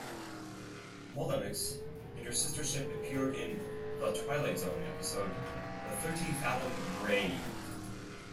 "Mullinix" and her sister ship appeared in "The Twilight Zone" episode "The Thirty-Fathom Grave.